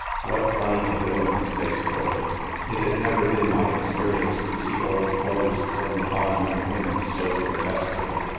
What funny habiliment? they sported. It had never been my experience to see old clothes thrown upon young limbs so grotesquely.